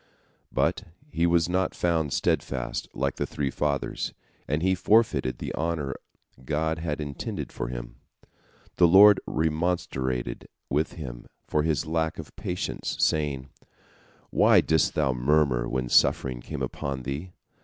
But he was not found steadfast like the three Fathers, and he forfeited the honor God had intended for him. The Lord remonstrated with him for his lack of patience, saying: "Why didst thou murmur when suffering came upon thee?